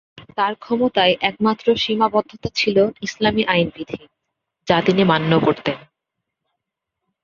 তার ক্ষমতায় একমাত্র সীমাবদ্ধতা ছিল ইসলামী আইনবিধি, যা তিনি মান্য করতেন।